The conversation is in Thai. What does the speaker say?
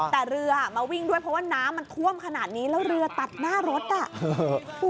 แต่เรือมาวิ่งด้วยเพราะว่าน้ำมันท่วมขนาดนี้แล้วเรือตัดหน้ารถอ่ะ